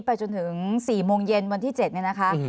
ไปจนถึง๔โมงเย็นวันที่๗เนี่ยนะคะ